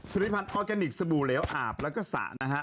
ริพันธ์ออร์แกนิคสบู่เหลวอาบแล้วก็สระนะฮะ